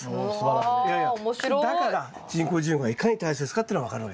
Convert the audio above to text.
だから人工授粉がいかに大切かってのが分かるわけですね。